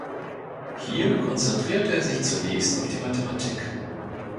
Hier konzentrierte er sich zunächst auf die Mathematik.